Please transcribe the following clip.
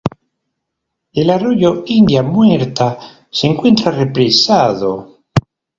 El arroyo India Muerta se encuentra represado.